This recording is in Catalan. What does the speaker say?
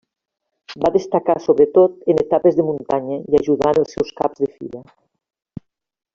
Va destacar, sobretot, en etapes de muntanya, i ajudant els seus caps de fila.